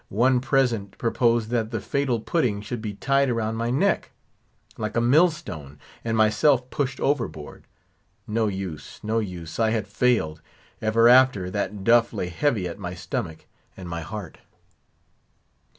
One present proposed that the fatal pudding should be tied round my neck, like a mill stone, and myself pushed overboard. No use, no use; I had failed; ever after, that duff lay heavy at my stomach and my heart.